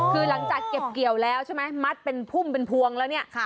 คือหลังจากเก็บเกี่ยวแล้วใช่ไหมมัดเป็นพุ่มเป็นพวงแล้วเนี่ย